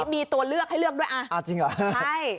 มีตัวเลือกให้เลือกด้วยอ่ะอ่าจริงเหรอใช่